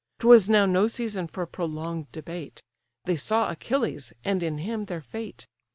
'Twas now no season for prolong'd debate; They saw Achilles, and in him their fate.